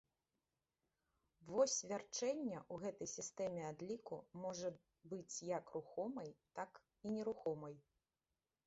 Вось вярчэння ў гэтай сістэме адліку можа быць як рухомай, так і нерухомай.